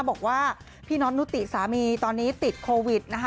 บอกว่าพี่น็อตนุติสามีตอนนี้ติดโควิดนะคะ